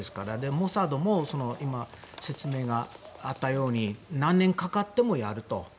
モサドも今、説明があったように何年かかってもやると。